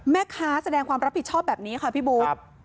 แม่ค้าแสดงความรับผิดชอบแบบนี้ค่ะพี่บู